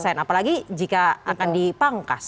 apalagi jika akan dipangkas